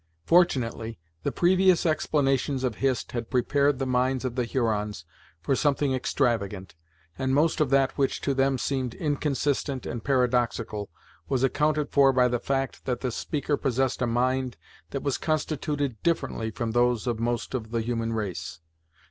Fortunately, the previous explanations of Hist had prepared the minds of the Hurons for something extravagant, and most of that which to them seemed inconsistent and paradoxical, was accounted for by the fact that the speaker possessed a mind that was constituted differently from those of most of the human race.